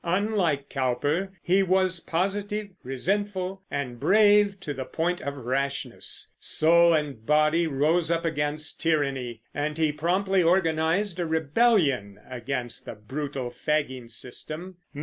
Unlike Cowper, he was positive, resentful, and brave to the point of rashness; soul and body rose up against tyranny; and he promptly organized a rebellion against the brutal fagging system.